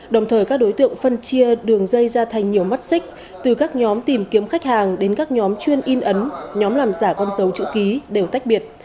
đồng thời các đối tượng phân chia đường dây ra thành nhiều mắt xích từ các nhóm tìm kiếm khách hàng đến các nhóm chuyên in ấn nhóm làm giả con dấu chữ ký đều tách biệt